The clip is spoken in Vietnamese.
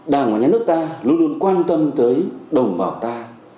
đảng và nhà nước ta luôn luôn quan tâm tới đồng bào ta